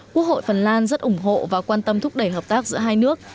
quốc hội phần lan rất ủng hộ và quan tâm thúc đẩy hợp tác giữa hai nước